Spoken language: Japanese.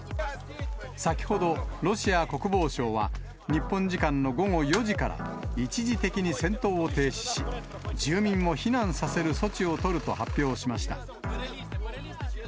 先ほど、ロシア国防省は、日本時間の午後４時から一時的に戦闘を停止し、住民を避難させる措置を取ると発表しました。